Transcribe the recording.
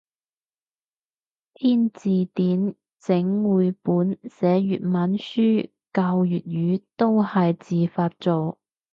編字典整繪本寫粵文書教粵語都係自發做